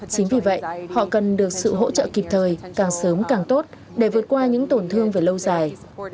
chính vì vậy họ cần được sự hỗ trợ kịp thời càng sớm càng tốt để vượt qua những tổn thương về lâu dài